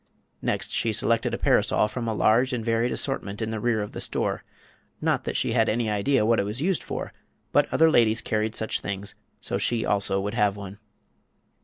Next she selected a parasol from a large and varied assortment in the rear of the store. Not that she had any idea what it was used for; but other ladies carried such things, so she also would have one.